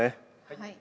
はい。